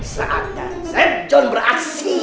saatnya seth john beraksi